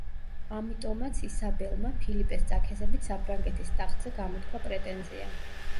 ამიტომაც ისაბელმა, ფილიპეს წაქეზებით საფრანგეთის ტახტზე გამოთქვა პრეტენზია.